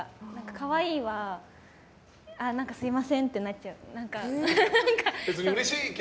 可愛いは、何かすみませんってなっちゃう。